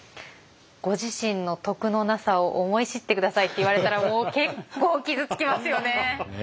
「ご自身の徳のなさを思い知ってください」って言われたらもう結構傷つきますよね。